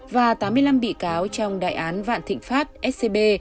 và tám mươi năm bị cáo trong đại án vạn thịnh pháp scb